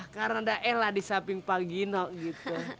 karena ada ella di samping pak gino gitu